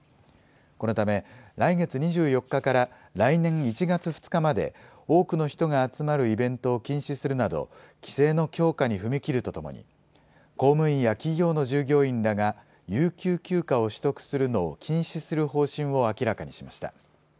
このため来月２４日から来年１月２日まで多くの人が集まるイベントを禁止するなど規制の強化に踏み切るとともに公務員や企業の従業員らが有給休暇を取得するのを禁止する方針を明らかにしました。